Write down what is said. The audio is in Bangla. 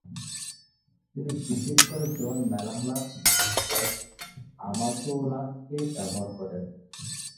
তিনি বিশেষ করে জন মালালাস এবং জর্জ হামার্টোলাসকে ব্যবহার করেন ।